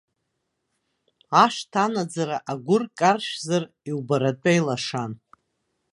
Ашҭа анаӡара агәыр каршәзар иубаратәа илашан.